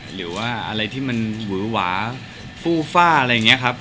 หรือว่าอะไรที่มันหวือหวาฟูฟ่าอะไรอย่างนี้ครับ